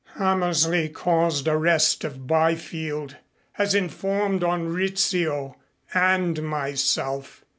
Hammersley caused arrest of Byfield. Has informed on Rizzio and myself.